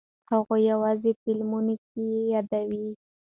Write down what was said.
هغوی یوازې فلمونو کې یې یادوي.